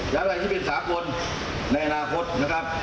ยังไงที่เป็นสามารถในอนาคตนะครับ